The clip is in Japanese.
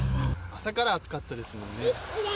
朝から暑かったですもんね。